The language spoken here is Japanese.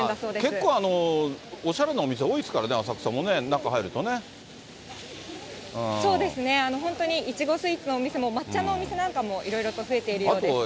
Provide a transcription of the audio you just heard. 結構、おしゃれなお店多いでそうですね、本当にイチゴスイーツのお店も、抹茶のお店なんかも、いろいろと増えているようです。